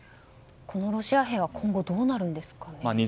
このロシア兵は今後どうなるんですかね？